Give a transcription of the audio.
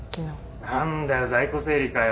何だよ在庫整理かよ。